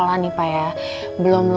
lama apa dan geng